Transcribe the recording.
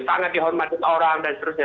sangat dihormati orang dan seterusnya